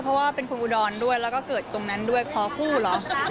เพราะว่าเป็นคนอุดรด้วยแล้วก็เกิดตรงนั้นด้วยขอคู่เหรอ